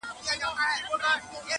o پلار له سترګو ځان پټوي,